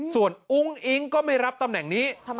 ส่วนอุ้งอิ๊งก็ไม่รับตำแหน่งนี้